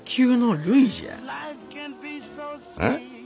えっ？